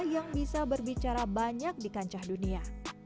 yang bisa berbicara banyak di kancah dunia